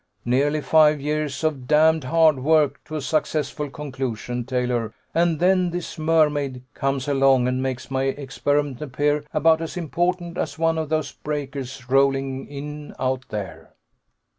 Nearly five years of damned hard work to a successful conclusion, Taylor, and then this mermaid comes along and makes my experiment appear about as important as one of those breakers rolling in out there!"